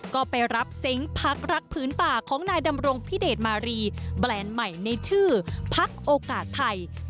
ก็ไปรับเซ้งพักรักพื้นป่าของนายดำรงพิเดชมารีแบรนด์ใหม่ในชื่อพักโอกาสไทย